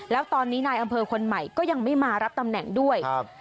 แล้วตอนนี้นายอำเภอคนใหม่ก็ยังไม่มารับตำแหน่งด้วยครับ